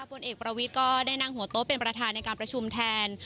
ผลเอกประวิทย์ก็ได้นั่งหัวโต๊ะเป็นประธานในการประชุมแทน